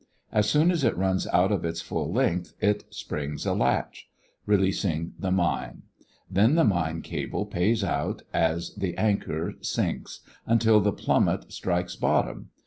As soon as it runs out to its full length (4) it springs a latch, C, releasing the mine A. Then the mine cable D pays out, as the anchor E sinks, until the plummet B strikes bottom (5).